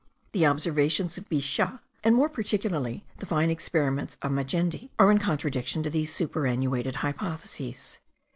The observations of Bichat, and more particularly the fine experiments of Majendie, are in contradiction to these superannuated hypotheses.